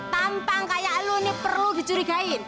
tampang kayak lu ini perlu dicurigain